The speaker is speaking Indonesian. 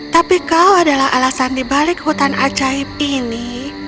tapi kau adalah alasan di balik hutan ajaib ini